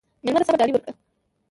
مېلمه ته د صبر ډالۍ ورکړه.